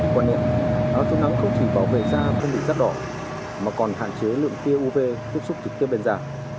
quả niệm áo chống nắng không chỉ bảo vệ da không bị rắt đỏ mà còn hạn chế lượng tia uv tiếp xúc trực tiếp bên da